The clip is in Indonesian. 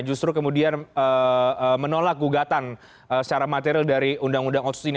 justru kemudian menolak gugatan secara material dari undang undang otsus ini